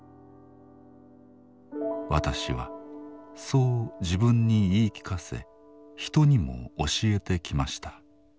私はそう自分に言い聞かせ人にも教えてきました。